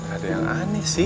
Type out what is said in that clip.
ada yang aneh sih